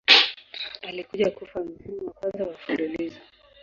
Alikuja kufa wa msimu wa kwanza wa mfululizo.